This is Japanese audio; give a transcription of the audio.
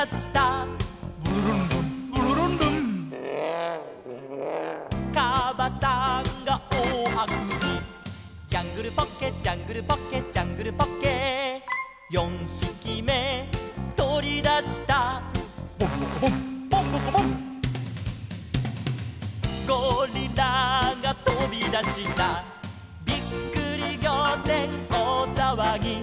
「ブルルンルンブルルンルン」「かばさんがおおあくび」「ジャングルポッケジャングルポッケ」「ジャングルポッケ」「四ひきめとり出した」「ボンボコボンボンボコボン」「ゴリラがとび出した」「びっくりぎょうてんおおさわぎ」